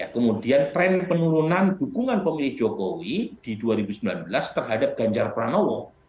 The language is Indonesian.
kemudian tren penurunan dukungan pemilih jokowi di dua ribu sembilan belas terhadap ganjar pranowo